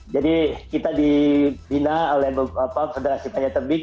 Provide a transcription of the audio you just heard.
jadi kita dibina oleh federasi panjatabim